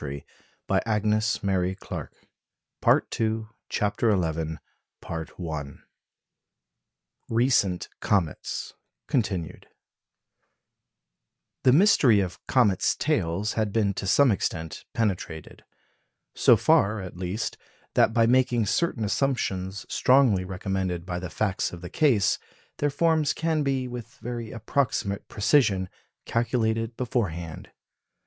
] [Footnote 1266: Hasselberg, loc. cit., p. 38.] CHAPTER XI RECENT COMETS (continued) The mystery of comets' tails had been to some extent penetrated; so far, at least, that, by making certain assumptions strongly recommended by the facts of the case, their forms can be, with very approximate precision, calculated beforehand.